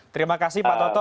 terima kasih pak toto